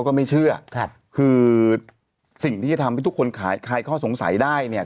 คือสิ่งที่๑๙๔๕ที่ทุกคนคลายข้อสงสัยได้เนี่ย